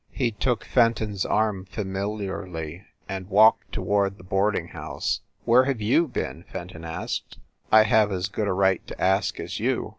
He took Fenton s arm familiarly and walked toward the boarding house. "Where have you been ?" Fenton asked. "I have as good a right to ask as you."